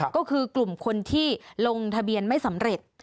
ก็คือกลุ่มคนที่ลงทะเบียนไม่สำเร็จ